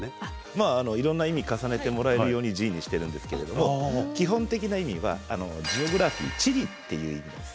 まあいろんな意味重ねてもらえるように「Ｇ」にしてるんですけれども基本的な意味はジオグラフィー地理っていう意味なんです。